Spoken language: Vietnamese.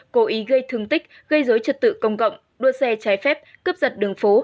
cố ý gây thương tích gây dối trật tự công cộng đua xe trái phép cướp giật đường phố